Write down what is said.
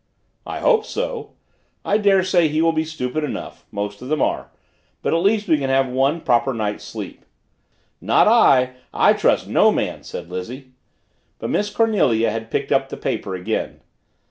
"I hope so. I daresay he will be stupid enough. Most of them are. But at least we can have one proper night's sleep." "Not I. I trust no man," said Lizzie. But Miss Cornelia had picked up the paper again.